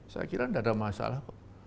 saya kira tidak ada masalah kok